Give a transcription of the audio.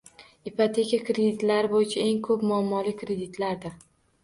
Ipoteka kreditlari boʻyicha eng koʻp muammoli kreditlardir